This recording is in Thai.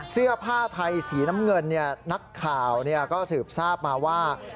เสื้อผ้าไทยสีน้ำเงินนักข่าวก็สืบทราบมาว่า